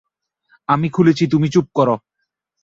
আমি খুলছি তুমি চুপ কর!